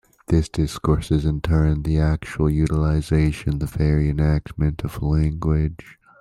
This discourse is, in turn, the actual utilisation, the very enactment, of language.